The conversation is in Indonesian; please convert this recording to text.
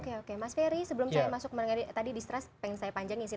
oke oke mas ferry sebelum saya masuk tadi distrust pengen saya panjangin sih